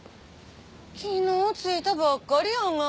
昨日着いたばっかりやが。